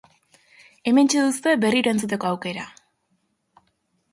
Hementxe duzue berriro entzuteko aukera!